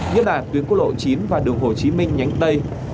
nhất là tuyến quốc lộ chín và đường hồ chí minh nhánh tây